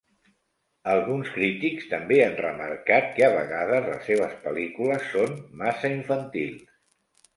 Alguns crítics també han remarcat que a vegades les seves pel·lícules són massa infantils.